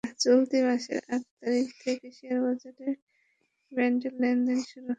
চলতি মাসের আট তারিখ থেকে শেয়ারবাজারে ট্রেজারি বন্ডের লেনদেন শুরু হয়।